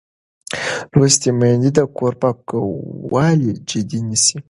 لوستې میندې د کور پاکوالی جدي نیسي.